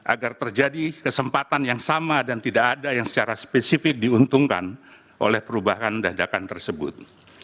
agar terjadi kesempatan yang sama dan tidak ada yang secara spesifik diuntungkan oleh perubahan dadakan tersebut